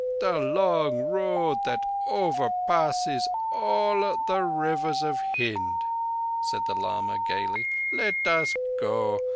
"The long Road that overpasses all the rivers of Hind," said the lama gaily. "Let us go.